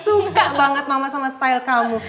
suka banget mama sama style kamu